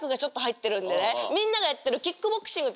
みんながやってる。